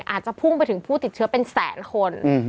อาจจะพุ่งไปถึงผู้ติดเชื้อเป็นแสนคน